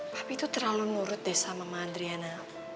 papi tuh terlalu nurut deh sama mama adriana